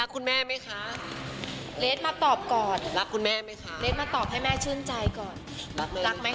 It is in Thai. คุณแม่ไหมคะมาตอบก่อนไหล้มามาตอบให้แม่ชื่นใจก่อนได้ไหม